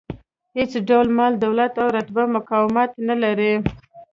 هېڅ ډول مال، دولت او رتبه مقاومت نه لري.